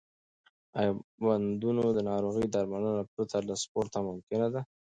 آیا د بندونو ناروغي درملنه پرته له سپورت ممکنه ده؟